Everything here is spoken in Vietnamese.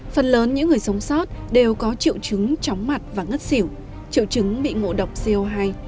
phần lớn những người sống sót đều có triệu chứng chóng mặt và ngất xỉu triệu chứng bị ngộ độc co hai